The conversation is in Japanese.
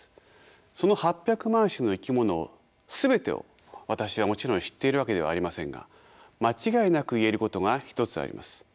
その８００万種の生き物全てを私はもちろん知っているわけではありませんが間違いなく言えることが一つあります。